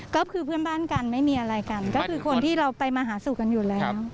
ก็คือเพื่อนบ้านกันไม่มีอะไรกันก็คือคนที่เราไปมาหาสู่กันอยู่แล้ว